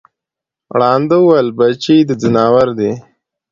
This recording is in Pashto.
ړانده وویل بچی د ځناور دی